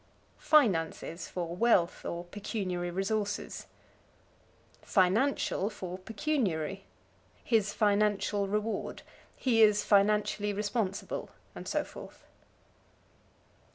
Finances for Wealth, or Pecuniary Resources. Financial for Pecuniary. "His financial reward"; "he is financially responsible," and so forth.